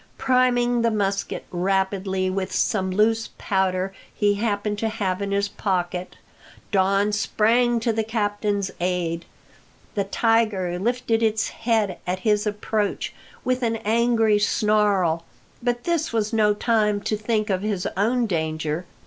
Priming the musket rapidly with some loose powder he happened to have in his pocket, Don sprang to the captain's aid. The tiger lifted its head at his approach with an angry snarl, but this was no time to think of his own danger.